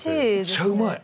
めっちゃうまい！